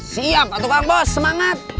siap patuh kang bos semangat